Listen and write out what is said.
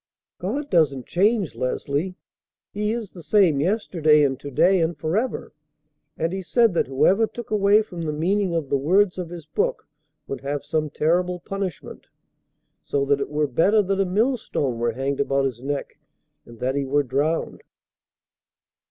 "God doesn't change, Leslie. He is the same yesterday and to day and forever. And He said that whoever took away from the meaning of the words of His book would have some terrible punishment, so that it were better that a millstone were hanged about his neck and that he were drowned."